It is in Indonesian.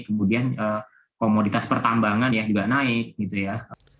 kemudian komoditas pertambangan ya juga naik gitu ya